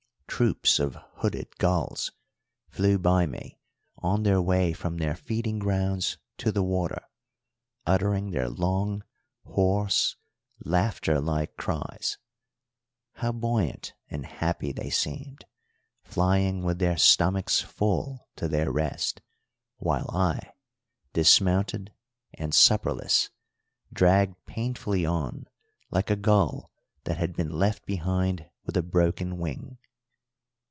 Troops of hooded gulls flew by me on their way from their feeding grounds to the water, uttering their long, hoarse, laughter like cries. How buoyant and happy they seemed, flying with their stomachs full to their rest; while I, dismounted and supperless, dragged painfully on like a gull that had been left behind with a broken wing.